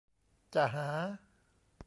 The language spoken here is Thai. จะหา